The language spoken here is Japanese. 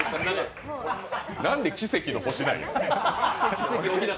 なんで「奇跡の地球」なんや。